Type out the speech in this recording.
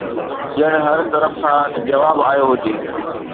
ڄڻ هر طرف کان جواب آيو هجي